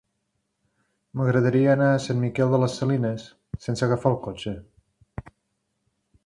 M'agradaria anar a Sant Miquel de les Salines sense agafar el cotxe.